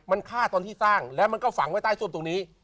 มันฆ่าตอนที่สร้างแล้วมันก็ฝังไว้ใต้ซ่วมตรงนี้